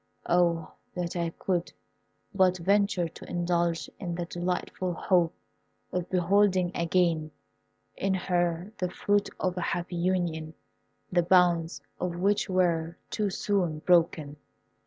Oh, that I could but venture to indulge in the delightful hope of beholding again in her the fruit of a happy union, the bonds of which were too soon broken!"